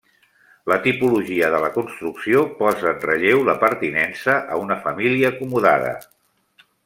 La tipologia de la construcció posa en relleu la pertinença a una família acomodada.